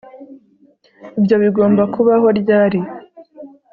Ibyo bigomba kubaho ryari